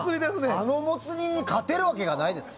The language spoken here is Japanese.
あのモツ煮に勝てるわけないです。